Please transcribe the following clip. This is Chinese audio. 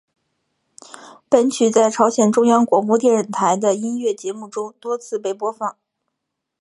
本曲在朝鲜中央广播电台的音乐节目中多次被播放。